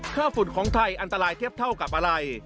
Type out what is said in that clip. ฝุ่นของไทยอันตรายเทียบเท่ากับอะไร